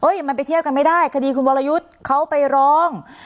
มันไปเทียบกันไม่ได้คดีคุณวรยุทธ์เขาไปร้อง